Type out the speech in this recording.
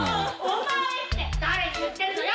お前って誰に言ってるのよ！